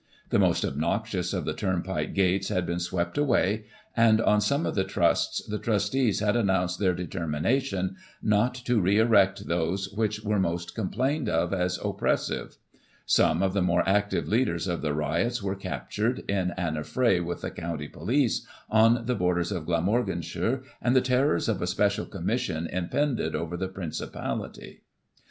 The most obnoxious of the turnpike gates had been swept away; and, on some of the trusts, the trustees had announced their determination not to re erect those which were most complained of as oppressive. Some of the more active leaders of the riots were captured, in an affray with the County police, on the borders of Glamorganshire, and the terrors of a Special Commission impended over the Princi pality.